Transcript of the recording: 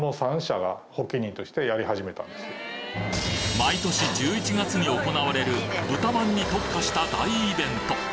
毎年１１月に行われる豚まんに特化した大イベント